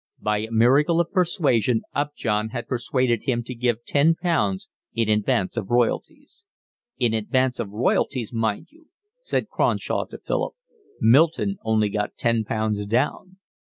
By a miracle of persuasion Upjohn had persuaded him to give ten pounds in advance of royalties. "In advance of royalties, mind you," said Cronshaw to Philip. "Milton only got ten pounds down."